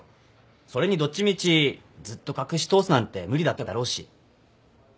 それにどっちみちずっと隠し通すなんて無理だっただろうし。